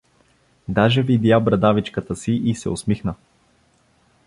Даже видя брадавичката си и се усмихна.